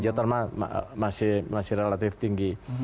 tapi geotermal masih relatif tinggi